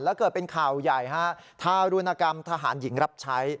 แล้วเกิดเป็นข่าวใหญ่ฮะทารุณกรรมทหารหญิงรับใช้